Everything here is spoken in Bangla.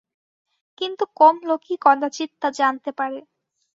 কিন্তু কম লোকই কদাচিৎ তা জানতে পারে।